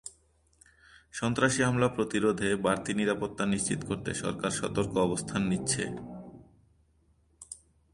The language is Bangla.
সন্ত্রাসী হামলা প্রতিরোধে বাড়তি নিরাপত্তা নিশ্চিত করতে সরকার সতর্ক অবস্থান নিচ্ছে।